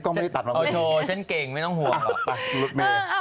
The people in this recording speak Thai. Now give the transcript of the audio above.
โอ้ฉันเก่งไม่ต้องห่วงหรอกไปลุดเบล